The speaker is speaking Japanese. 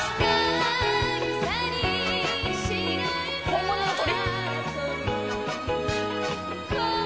本物の鳥？